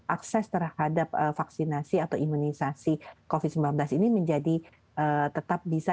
akses terhadap vaksinasi atau imunisasi covid sembilan belas ini menjadi tetap bisa